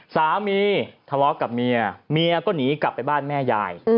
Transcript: สามีทะเลาะกับเมียเมียก็หนีกลับไปบ้านแม่ยาย